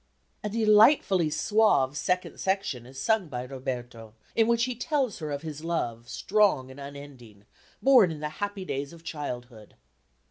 A delightfully suave second section is sung by Roberto, in which he tells her of his love, strong and unending, born in the happy days of childhood.